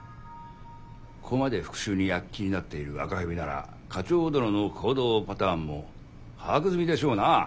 ここまで復讐に躍起になっている赤蛇なら課長殿の行動パターンも把握済みでしょうな。